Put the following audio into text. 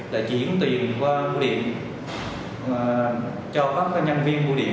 là chuyển tiền qua bộ điện cho các nhân viên bộ điện